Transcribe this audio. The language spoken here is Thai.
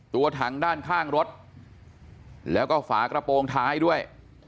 ตัวถังด้านข้างรถแล้วก็ฝากระโปรงท้ายด้วย